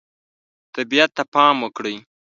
طبیعت ته پام وکړئ.